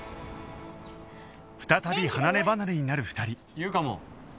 再び離ればなれになる２人